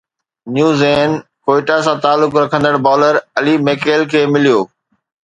نيو زين ڪوئيٽا سان تعلق رکندڙ بالر علي ميڪيل کي مليو